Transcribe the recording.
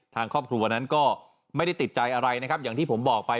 ทางครอบครัวนั้นก็ไม่ได้ติดใจอะไรนะครับอย่างที่ผมบอกไป